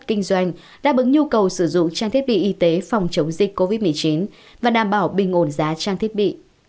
kinh doanh đáp ứng nhu cầu sử dụng trang thiết bị y tế phòng chống dịch covid một mươi chín và đảm bảo bình ổn giá trang thiết bị